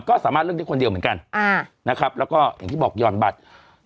ก็สามารถเลือกได้คนเดียวเหมือนกันนะครับแล้วก็อย่างที่บอกหย่อนบัตร